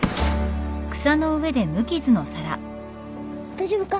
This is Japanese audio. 大丈夫か？